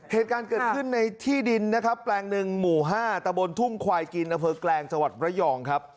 เหตุการณ์เกิดขึ้นในที่ดินแปลงหนึ่งหมู่ห้าตะบนทุ่มควายกินตะเพิลแกรงสวรรค์ระย่อง